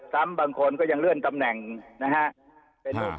บางคนก็ยังเลื่อนตำแหน่งนะฮะ